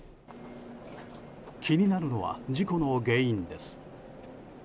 気になるのは事故の原因です。